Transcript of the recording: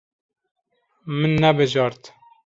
Min nebijart.